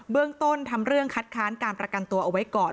เรื่องต้นทำเรื่องคัดค้านการประกันตัวเอาไว้ก่อน